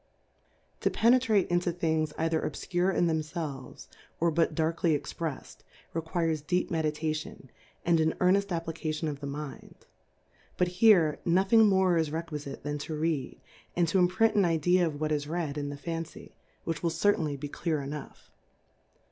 To penetrate into things either olfcure in themfelves^ or but dinrkly exj^rejjedj re quires deep Meditation^ and an earneft Application of the Mind\ hut here^ no^ thing more is requijite than to Readj and to imprint an Idea of what is read^ in the Taney y which will certainly he clear enough.